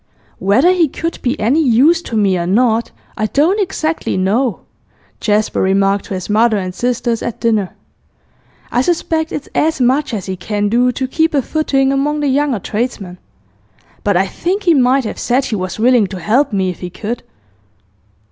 'Whether he could be any use to me or not, I don't exactly know,' Jasper remarked to his mother and sisters at dinner. 'I suspect it's as much as he can do to keep a footing among the younger tradesmen. But I think he might have said he was willing to help me if he could.